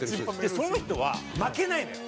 その人は負けないのよ。